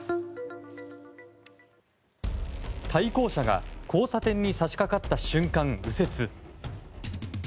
対向車が交差点に差し掛かった瞬間、右折。